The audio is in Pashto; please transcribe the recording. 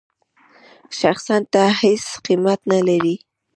شخصاً ته هېڅ قېمت نه لرې.